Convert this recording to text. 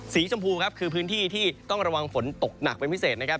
สีชมพูครับคือพื้นที่ที่ต้องระวังฝนตกหนักเป็นพิเศษนะครับ